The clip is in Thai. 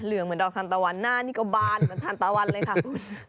เหมือนดอกทานตะวันหน้านี่ก็บานเหมือนทานตะวันเลยค่ะคุณ